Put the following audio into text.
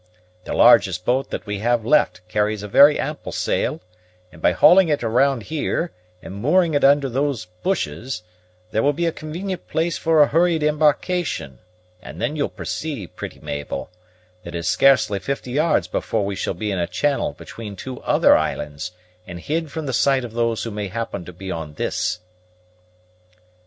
The largest boat that we have left carries a very ample sail; and by hauling it round here, and mooring it under those bushes, there will be a convenient place for a hurried embarkation; and then you'll perceive, pretty Mabel, that it is scarcely fifty yards before we shall be in a channel between two other islands, and hid from the sight of those who may happen to be on this."